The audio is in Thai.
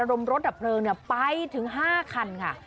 รมรถดับเพลิงไปถึง๕คันค่ะ